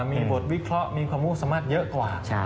มีบทวิเคราะห์มีความมุ่งสามารถเยอะกว่า